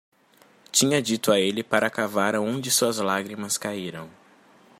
Tinha dito a ele para cavar onde suas lágrimas caíram.